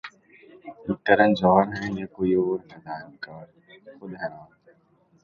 یہ کرن جوہر ہیں یا کوئی اور ہدایت کار خود حیران